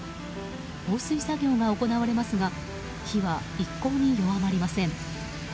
放水作業が行われますが火は一向に弱まりません。